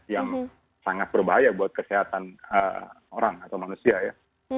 yang sangat berbahaya buat kesehatan orang atau manusia ya